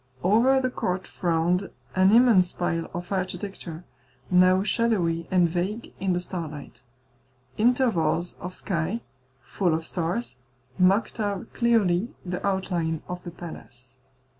Over the court frowned an immense pile of architecture, now shadowy and vague in the starlight. Intervals of sky, full of stars, marked out clearly the outline of the palace.